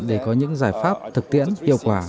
để có những giải pháp thực tiễn hiệu quả